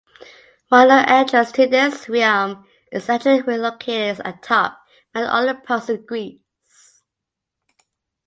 One known entrance to this realm is actually located atop Mount Olympus in Greece.